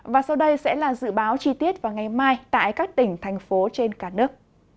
và sau đây sẽ là dự báo chi tiết vào ngày mai tại các tỉnh thành phố trên cả nước